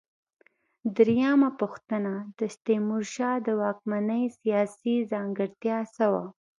درېمه پوښتنه: د تیمورشاه د واکمنۍ سیاسي ځانګړتیا څه وه؟